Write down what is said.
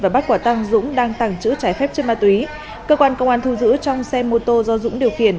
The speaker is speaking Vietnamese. và bắt quả tăng dũng đang tàng trữ trái phép chất ma túy cơ quan công an thu giữ trong xe mô tô do dũng điều khiển